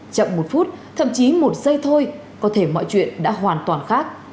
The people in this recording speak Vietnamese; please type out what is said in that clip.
chậm một phút thậm chí một giây thôi có thể mọi chuyện đã hoàn toàn khác